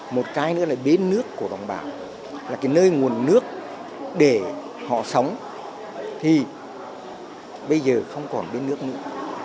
một cái nữa là bến nước của đồng bào là cái nơi nguồn nước để họ sống thì bây giờ không còn bến nước nữa